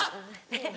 えっ？